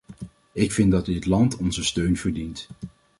Ik vind dat dit land onze steun verdient.